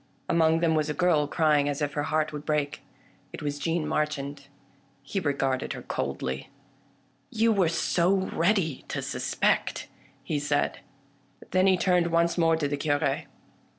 Among them was a girl crying as if her heart would break. It was Jeanne Marchand. He regarded her coldly. " You were so ready to suspect," he said. Then he turned once more to the Cure.